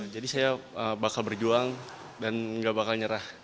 jadi saya bakal berjuang dan gak bakal nyerah